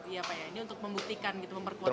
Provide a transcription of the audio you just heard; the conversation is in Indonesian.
ini untuk membuktikan gitu memperkuat komentar